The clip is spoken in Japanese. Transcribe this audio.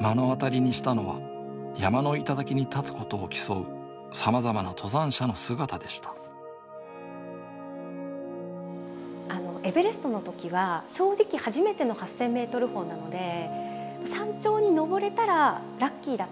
目の当たりにしたのは山の頂に立つことを競うさまざまな登山者の姿でしたエベレストの時は正直初めての８０００ｍ峰なので山頂に登れたらラッキーだと。